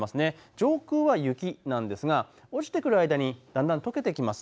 上空は雪なんですが落ちてくる間にだんだんとけてきます。